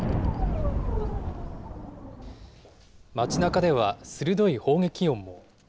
街なかでは鋭い砲撃音も。